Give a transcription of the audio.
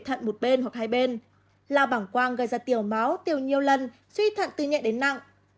tuy nhiên lao bảng quang gây ra tiểu máu tiểu nhiêu lần suy thận từ nhẹ đến nặng